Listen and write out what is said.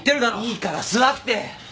いいから座って！